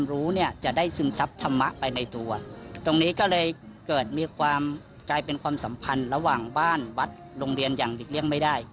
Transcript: เราก็เลยเกิดมีการใกล้เป็นสัมพันธ์ระหว่างบ้านวัดโรงเรียนอย่างบิรี่ย้งไม่ได้